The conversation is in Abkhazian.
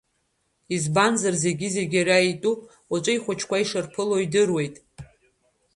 Избанзар зегьы-зегьы иара итәуп, уаҵәы ихәыҷқәа ишырԥыло идыруеит.